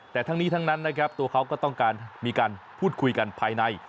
แต่ทั้งนี้ทั้งนั้นนะครับตัวเขาก็ต้องการมีการพูดคุยกันภายใน